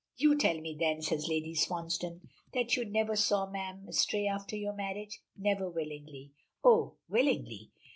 "You tell me, then," says Lady Swansdown, "that you never saw Mme. Istray after your marriage?" "Never, willingly." "Oh, willingly!"